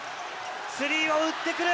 スリーを打ってくる。